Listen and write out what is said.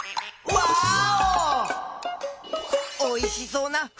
ワーオ！